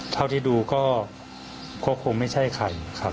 เท่าที่ดูก็คงไม่ใช่ใครครับ